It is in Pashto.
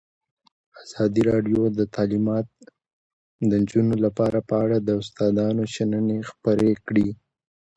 ازادي راډیو د تعلیمات د نجونو لپاره په اړه د استادانو شننې خپرې کړي.